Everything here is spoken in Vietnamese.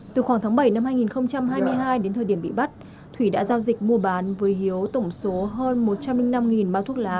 từ khoảng tháng bảy năm hai nghìn hai mươi hai đến thời điểm bị bắt thủy đã giao dịch mua bán với hiếu tổng số hơn một trăm linh năm bao thuốc lá